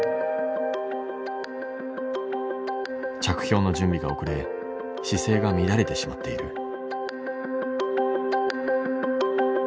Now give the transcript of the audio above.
着氷の準備が遅れ姿勢が乱れてしまっている。